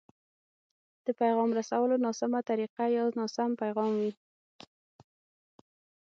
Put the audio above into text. د پيغام رسولو ناسمه طريقه يا ناسم پيغام وي.